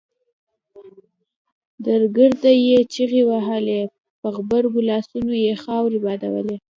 درګرده يې چيغې وهلې په غبرګو لاسونو يې خاورې بادولې.